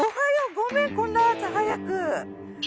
ごめんこんな朝早く。